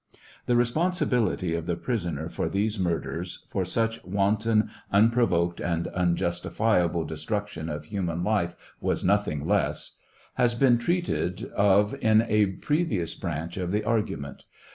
The responsibility of the prisoner for these murders (for such wanton, un provoked and unjustifiable destruction of human life was nothing less) has been treated of in a previous branch of the argument.